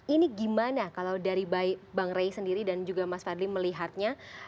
ini gimana kalau dari bang rey sendiri dan juga mas fadli melihatnya